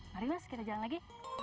mari mas kita jalan lagi